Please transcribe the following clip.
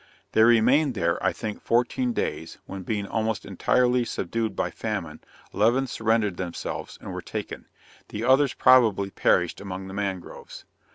They remained there, I think fourteen days, when being almost entirely subdued by famine, eleven surrendered themselves, and were taken. The others probably perished among the mangroves.